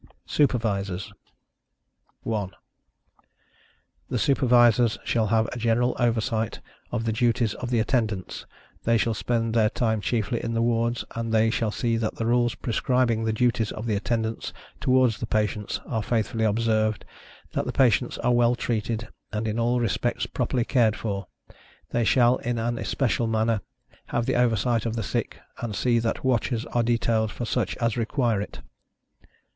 SUPERVISORS. 1. The Supervisors shall have a general oversight of the duties of the Attendants; they shall spend their time chiefly in the wards, and they shall see that the rules prescribing the duties of the Attendants, towards the patients, are faithfully observed, that the patients are well treated, and in all respects properly cared for; they shall, in an especial manner, have the oversight of the sick, and see that watchers are detailed for such as require it.